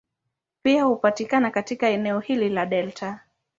Pia hupatikana katika eneo hili la delta.